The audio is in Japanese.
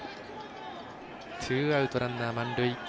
ツーアウト、ランナー、満塁。